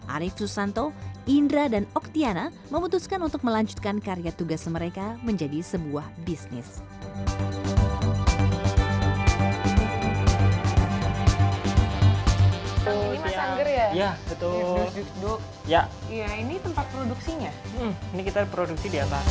arief susanto indra dan oktiana memutuskan untuk melanjutkan karya tugas mereka menjadi sebuah bisnis